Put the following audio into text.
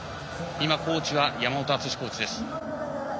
今コーチが山本コーチです。